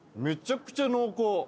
めちゃくちゃ濃厚。